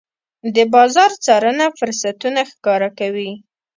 د بازار څارنه فرصتونه ښکاره کوي.